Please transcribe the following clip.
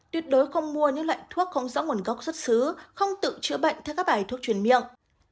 tuyệt đối không mua những loại thuốc không rõ nguồn gốc xuất xứ không tự chữa bệnh theo các bài thuốc chuyển miệng